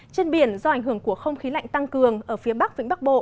trên biển do ảnh hưởng của không khí lạnh tăng cường ở phía bắc vĩnh bắc bộ